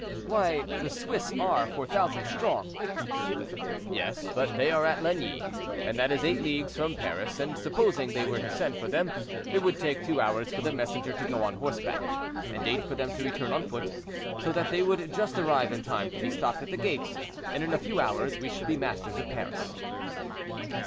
"Why, the Swiss are four thousand strong." "Yes, but they are at Lagny, and that is eight leagues from Paris, and supposing they were to send for them, it would take two hours for the messenger to go on horseback, and eight for them to return on foot, so that they would just arrive in time to be stopped at the gates, and in a few hours we should be masters of Paris."